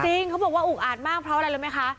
เขาบอกว่าอุกอาดมากเพราะอะไรรู้ไหมคะ